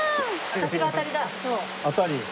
私が当たりだ。